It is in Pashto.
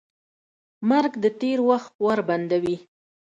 مرګ د تېر وخت ور بندوي.